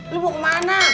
lo mau kemana